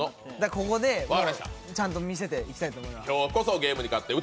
ここでちゃんと見せていきたいと思います。